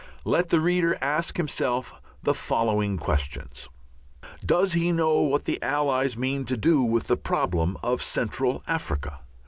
Let the reader ask himself the following questions: Does he know what the Allies mean to do with the problem of Central Africa?